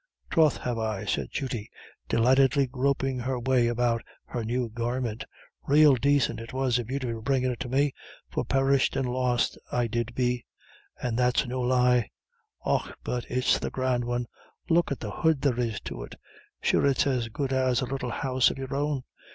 "Troth have I," said Judy, delightedly groping her way about her new garment. "Rael dacint it was of you to be bringin' it to me, for perished and lost I did be, and that's no lie. Och but it's the grand one. Look at the hood there is to it. Sure it's as good as a little house of your own.